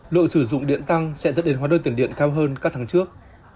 lượng sử dụng điện tăng sẽ dẫn đến hóa đơn tiền điện cao hơn các tháng trước